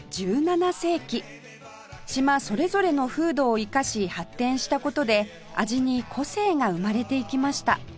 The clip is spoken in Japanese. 島それぞれの風土を生かし発展した事で味に個性が生まれていきました